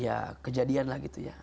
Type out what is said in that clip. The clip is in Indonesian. ya kejadian lah gitu ya